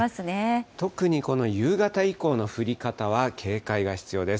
特にこの夕方以降の降り方は警戒が必要です。